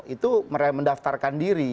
itu mendaftarkan diri